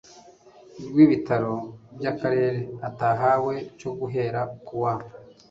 rw ibitaro by akarere atahawe cyo guhera ku wa